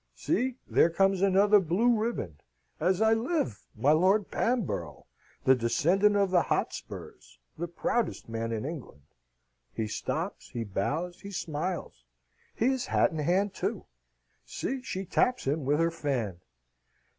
See, there comes another blue riband, as I live. My Lord Bamborough. The descendant of the Hotspurs. The proudest man in England. He stops, he bows, he smiles; he is hat in hand, too. See, she taps him with her fan.